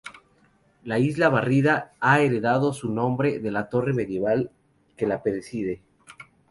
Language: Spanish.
La barriada ha heredado su nombre de la torre medieval que la preside.